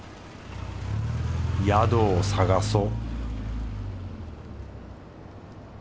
宿を探そう